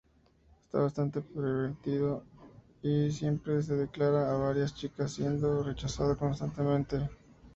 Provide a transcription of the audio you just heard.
Es bastante pervertido y siempre se declara a varias chicas siendo rechazado constantemente.